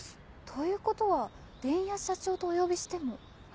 ということは伝弥社長とお呼びしても。